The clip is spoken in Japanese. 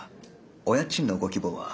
お家賃のご希望は。